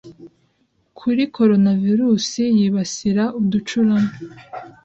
kuri coronavirus yibasira uducurama